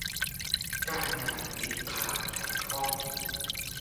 การงานติดค้างขัดข้อง